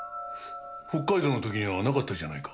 北海道の時にはなかったじゃないか。